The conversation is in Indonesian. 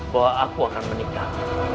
bahwa aku akan menikah